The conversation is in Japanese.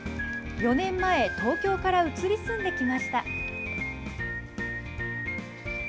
４年前、東京から移り住んできました。